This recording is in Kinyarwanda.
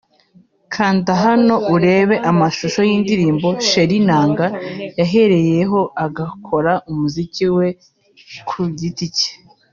Kanda hano urebe amashusho y'indirimbo 'Cherie na nga' yahereyeho akora umuziki ku giti cye